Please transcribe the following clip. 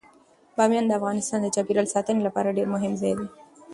بامیان د افغانستان د چاپیریال ساتنې لپاره ډیر مهم ځای دی.